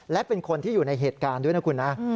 และเป็นคนที่อยู่ในเหตุการณ์ด้วยนะคุณนะ